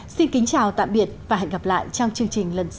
xin kính chào tạm biệt và hẹn gặp lại trong chương trình lần sau